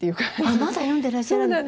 まだ読んでらっしゃらない？